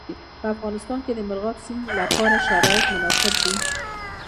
په افغانستان کې د مورغاب سیند لپاره شرایط مناسب دي.